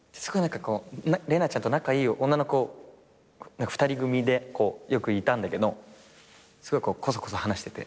レナちゃんと仲いい女の子２人組でよくいたんだけどすごいこうこそこそ話してて。